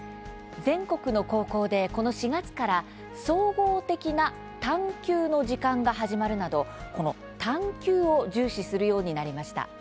全国の高校で、この４月から「総合的な探究の時間」が始まるなど「探究」を重視するようになりました。